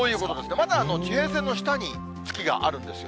まだ地平線の下に月があるんですよ。